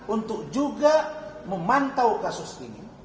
untuk juga memantau kasus ini